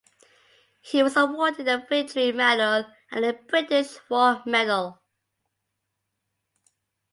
He was awarded the Victory Medal and the British War Medal.